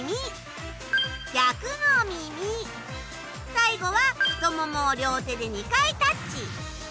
最後は太ももを両手で２回タッチ。